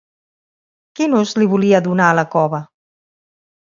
Quin ús li volia donar a la cova?